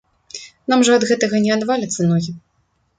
Нам жа ад гэтага не адваляцца ногі.